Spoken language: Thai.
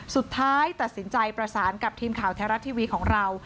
สุดท้ายตัดสินใจประสานกับทีมข่าวแท้รัฐทีวีของเรา